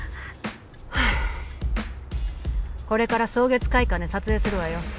はあこれから草月会館で撮影するわよ